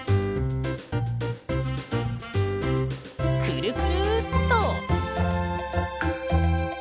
くるくるっと！